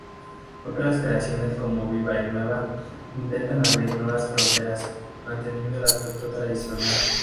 Otras creaciones como Viva y Nueva, intentan abrir nuevas fronteras, manteniendo el aspecto tradicional.